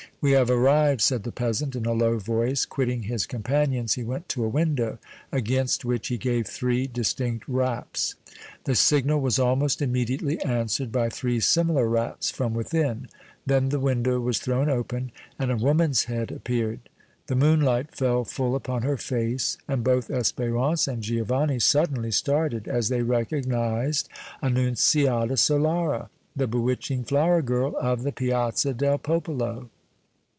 "We have arrived," said the peasant, in a low voice. Quitting his companions, he went to a window, against which he gave three distinct raps. The signal was almost immediately answered by three similar raps from within; then the window was thrown open and a woman's head appeared. The moonlight fell full upon her face, and both Espérance and Giovanni suddenly started as they recognized Annunziata Solara, the bewitching flower girl of the Piazza del Popolo.